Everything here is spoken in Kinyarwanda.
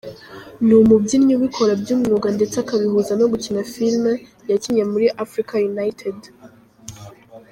Ni umubyinnyi ubikora by’umwuga ndetse akabihuza no gukina film, yakinnye muri Africa United.